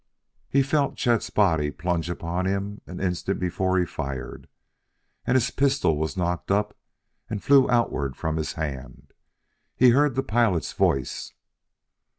He felt Chet's body plunge upon him an instant before he fired, and his pistol was knocked up and flew outward from his hand. He heard the pilot's voice.